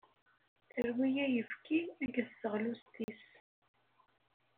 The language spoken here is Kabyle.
Terwi ayefki akked teɣlust-is.